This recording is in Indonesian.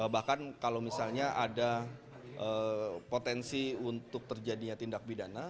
bahkan kalau misalnya ada potensi untuk terjadinya tindak pidana